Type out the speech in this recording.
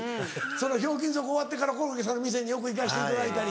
『ひょうきん族』終わってからコロッケさんの店によく行かせていただいたり。